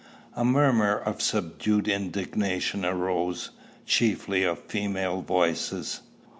A murmur of subdued indignation arose, chiefly of female voices.